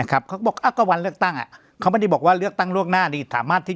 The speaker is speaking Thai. เอ๊ะตกลงจะเอายังไงเนี่ย